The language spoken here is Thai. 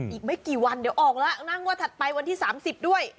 อีกไม่กี่วันเดี๋ยวออกแล้วนั่งงวดถัดไปวันที่๓๐ด้วย